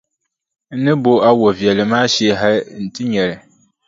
N ni bo a wɔʼ viɛlli maa shee hali nti nya li.